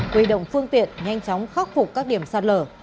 quy động phương tiện nhanh chóng khắc phục các điểm sạt lở